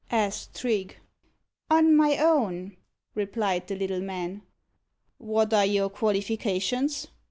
asked Trigge. "On my own," replied the little man. "What are your qualifications?"